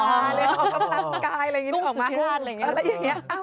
กำลังกายอะไรอย่างนี่